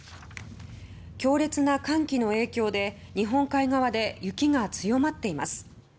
強烈な寒気の影響で日本海側で雪が強まっています。